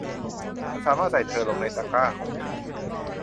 ฉันสามารถใส่เธอลงในตะกร้าของฉัน